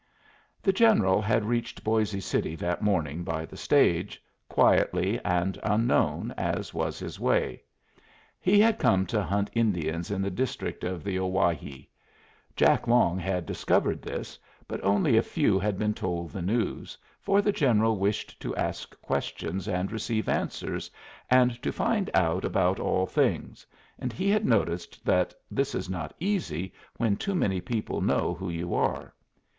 The General had reached Boisé City that morning by the stage, quietly and unknown, as was his way. He had come to hunt Indians in the district of the Owyhee. Jack Long had discovered this, but only a few had been told the news, for the General wished to ask questions and receive answers, and to find out about all things; and he had noticed that this is not easy when too many people know who you are.